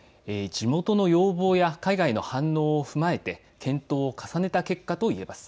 地元の要望や海外の反応を踏まえて検討を重ねた結果といえます。